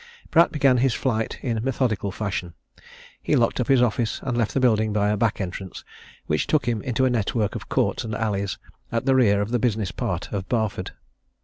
Pratt began his flight in methodical fashion. He locked up his office, and left the building by a back entrance which took him into a network of courts and alleys at the rear of the business part of Barford.